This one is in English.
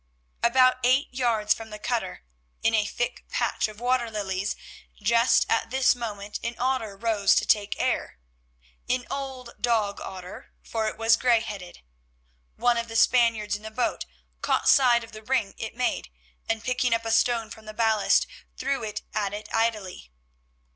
About eight yards from the cutter, in a thick patch of water lilies, just at this moment an otter rose to take air—an old dog otter, for it was grey headed. One of the Spaniards in the boat caught sight of the ring it made, and picking up a stone from the ballast threw it at it idly.